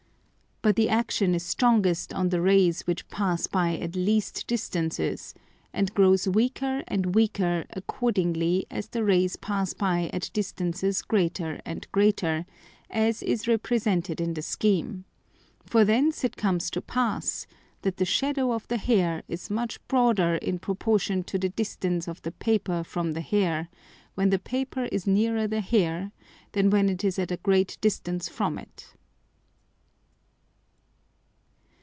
But the Action is strongest on the Rays which pass by at least distances, and grows weaker and weaker accordingly as the Rays pass by at distances greater and greater, as is represented in the Scheme: For thence it comes to pass, that the Shadow of the Hair is much broader in proportion to the distance of the Paper from the Hair, when the Paper is nearer the Hair, than when it is at a great distance from it.